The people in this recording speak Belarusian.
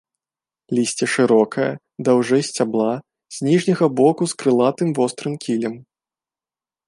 Лісце шырокае, даўжэй сцябла, з ніжняга боку з крылатым вострым кілем.